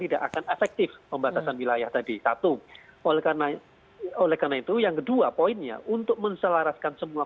tidak akan efektif pembatasan wilayah tadi satu oleh karena oleh karena itu yang kedua poinnya untuk menselaraskan semua